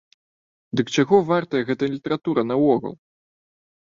Дык чаго вартая гэта літаратура наогул?